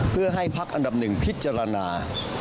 เพื่อให้พักอันดับหนึ่งพิจารณา